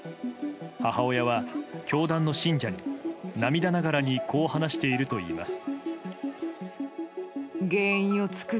母親は教団の信者に涙ながらにこう話しているといいます。